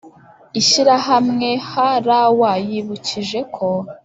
ishyirahamwe hrw yibukije ko